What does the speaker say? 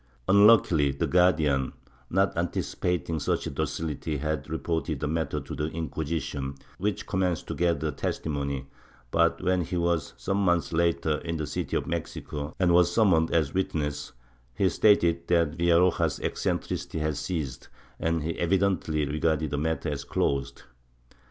Unluckily the Guardian, not anticipating such docility, had reported the matter to the Inquisition, which commenced to gather testimony, but when he was, some months later, in the city of Mexico and was summoned as a witness, he stated that Villaroja's eccentricities had ceased, and he evidently regarded the matter as closed.